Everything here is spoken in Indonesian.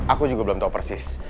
aku juga belum tahu persis